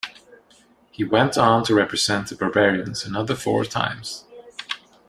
He went on to represent the Barbarians another four times.